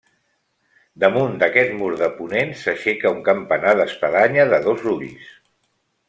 Damunt d'aquest mur de ponent s'aixeca un campanar d'espadanya de dos ulls.